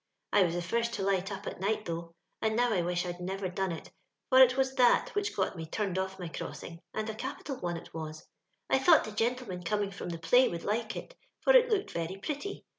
^ I was the fust to light up at night though, and now I wish I'd never done it, for it was that which got me turned ofif my crossing, and a capital one it was. I thought the gentlemen coming from the play would like it, for it looked very pretty.